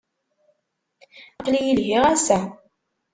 Aql-iyi lhiɣ, ass-a.